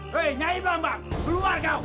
hey nyai belambang keluar kau